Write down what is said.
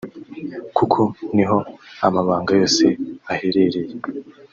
kuko niho amabanga yose aherereye